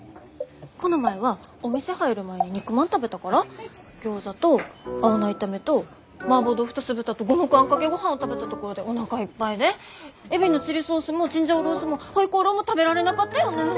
この前はお店入る前に肉まん食べたからギョーザと青菜炒めとマーボー豆腐と酢豚と五目あんかけごはんを食べたところでおなかいっぱいでエビのチリソースもチンジャオロースもホイコーローも食べられなかったよねぇ。